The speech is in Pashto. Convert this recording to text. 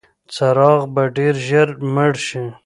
څراغ به ډېر ژر مړ شي.